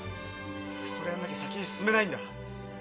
それやんなきゃ先に進めないんだ。